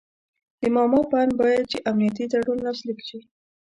د ماما په آند باید چې امنیتي تړون لاسلیک شي.